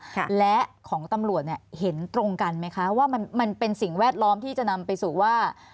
ค่ะและของตำรวจเนี่ยเห็นตรงกันไหมคะว่ามันมันเป็นสิ่งแวดล้อมที่จะนำไปสู่ว่า